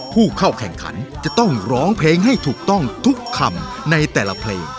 ผู้เข้าแข่งขันจะต้องร้องเพลงให้ถูกต้องทุกคำในแต่ละเพลง